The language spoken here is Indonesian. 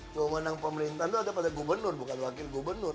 cuma menang pemerintah itu ada pada gubernur bukan wakil gubernur